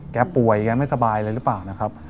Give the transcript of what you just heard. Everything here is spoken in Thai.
แกป่วยแกไม่สบายเลยหรือเปล่านะครับ